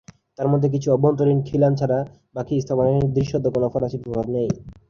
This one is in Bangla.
তার মতে কিছু অভ্যন্তরীন খিলান ছাড়া বাকী স্থাপনায় দৃশ্যত কোন ফরাসী প্রভাব নেই।